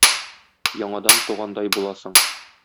Яңадан тугандай буласың.